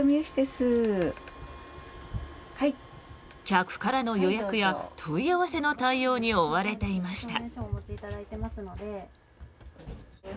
客からの予約や問い合わせの対応に追われていました。